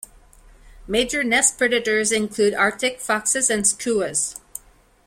Major nest predators include Arctic foxes and skuas.